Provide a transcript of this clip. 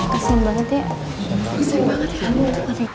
kasian banget ya kasian banget ya